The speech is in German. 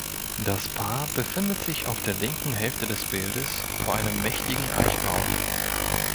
Das Paar befindet sich auf der linken Hälfte des Bildes vor einem mächtigen Eichbaum.